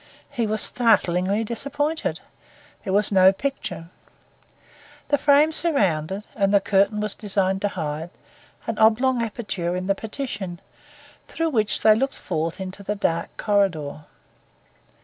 He was startlingly disappointed. There was no picture. The frame surrounded, and the curtain was designed to hide, an oblong aperture in the partition, through which they looked forth into the dark corridor.